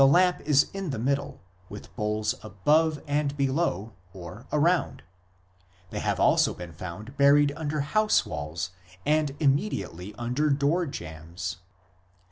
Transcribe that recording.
MOURNING AND BURIAL CUSTOMS 187 lamp is in the middle, with bowls above and below, or around. They have also been found buried under house walls and immediately under door jambs.